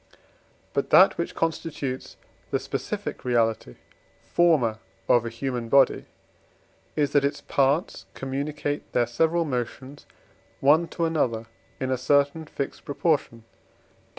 But that which constitutes the specific reality (forma) of a human body is, that its parts communicate their several motions one to another in a certain fixed proportion (Def.